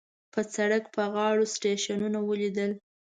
په سړک په غاړو سټیشنونه وليدل.